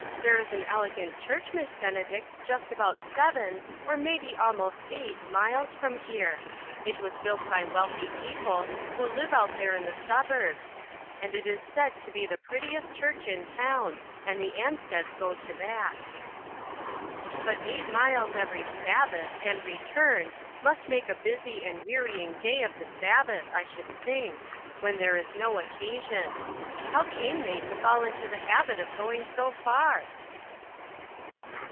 There is an elegant church, Miss Benedict, just about seven, or maybe almost eight, miles from here. It was built by wealthy people who live out there in the suburbs, and it is said to be the prettiest church in town, and the Ansteds go to that." " But eight miles every Sabbath, and re turn, must make a busy and wearying day of the Sabbath, I should think, when there is no occasion. How came they to fall into the habit of going so far?"